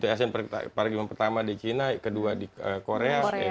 asean para games pertama di china kedua di korea